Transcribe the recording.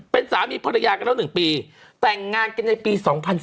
เป็นสามีภรรยากันแล้ว๑ปีแต่งงานกันในปี๒๐๑๙